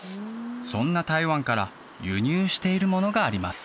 そんな台湾から輸入しているものがあります